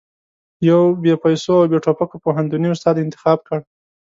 يو بې پيسو او بې ټوپکو پوهنتوني استاد انتخاب کړ.